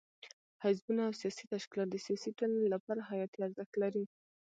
حزبونه او سیاسي تشکیلات د سیاسي ټولنې لپاره حیاتي ارزښت لري.